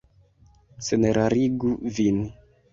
Senerarigu vin.